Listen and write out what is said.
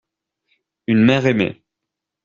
Une mère aimée.